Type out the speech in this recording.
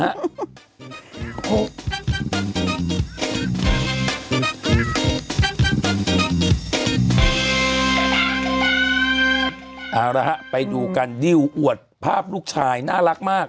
เอาละฮะไปดูกันดิวอวดภาพลูกชายน่ารักมาก